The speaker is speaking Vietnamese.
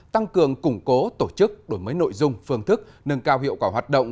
tăng cường củng cố tổ chức đổi mới nội dung phương thức nâng cao hiệu quả hoạt động